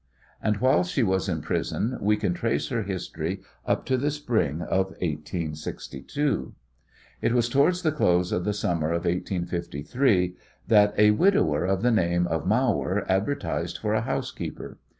And while she is in prison we can trace her history up to the spring of 1862. It was towards the close of the summer of 1853 that a widower of the name of Mawer advertised for a housekeeper.